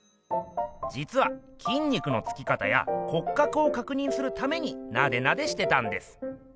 じつはきん肉のつき方や骨格をかくにんするためになでなでしてたんです。